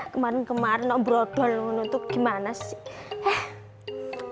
kemarin kemarin saya beraduan dengan kamu itu bagaimana sih